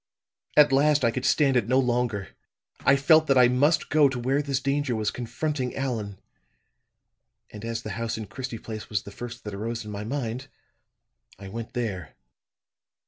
At last I could stand it no longer. I felt that I must go to where this danger was confronting Allan; and as the house in Christie Place was the first that arose in my mind, I went there.